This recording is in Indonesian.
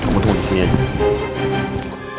kamu tunggu disini aja